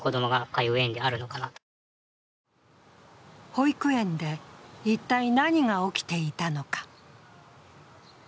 保育園で一体何が起きていたのか。